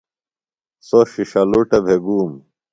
سوۡ ݜِݜلُٹوۡ بھےۡ گُوم۔